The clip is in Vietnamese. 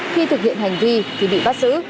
khi thực hiện hành vi thì bị bắt giữ